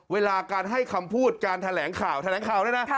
เวลาการให้คำพูดการแถลงข่าวแถลงข่าวเนี่ยนะ